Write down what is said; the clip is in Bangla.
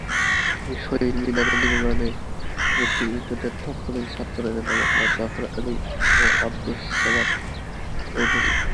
এই শহীদ মিনার নির্মাণে নেতৃত্ব দেন তৎকালীন ছাত্র নেতা মোহাম্মদ জাফর আলী ও আব্দুস সামাদ চৌধুরী।